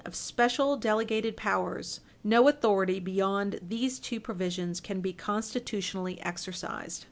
426 of special, delegated, powers, no authority beyond these two provisions can be constitutionally exercised.